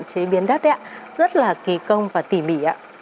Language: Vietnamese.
chế biến đất rất là kỳ công và tỉ mỉ